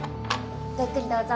ごゆっくりどうぞ。